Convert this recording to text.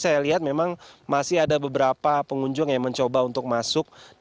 saya lihat di sini ada beberapa orang yang mencoba untuk masuk ke kawah putih